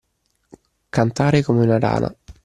Cantare come una rana.